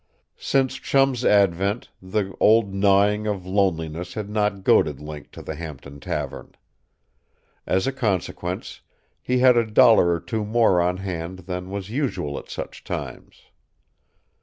Since Chum's advent, the old gnawing of loneliness had not goaded Link to the Hampton tavern. As a consequence, he had a dollar or two more on hand than was usual at such times.